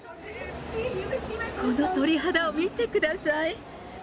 この鳥肌を見てください。